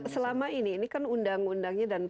nah selama ini ini kan undang undangnya